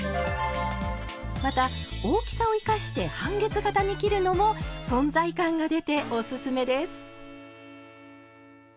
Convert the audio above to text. また大きさを生かして半月形に切るのも存在感が出ておすすめです。